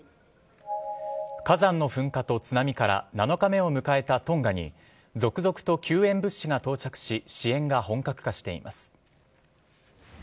火山の噴火と津波から７日目を迎えたトンガに続々と救援物資が到着し支援が本格化しています。